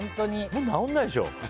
もう直らないでしょ。